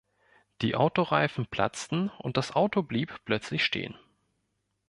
Die Autoreifen platzten und das Auto blieb plötzlich stehen.